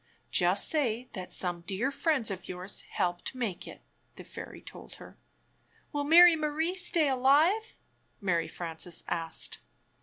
"Just say that some dear friends of yours helped make it," the fairy told her. "Will Mary Marie stay alive?" Mary Frances asked.